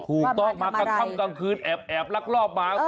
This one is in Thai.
ถูกต้องมากลางค่ำกลางคืนแอบลักลอบมา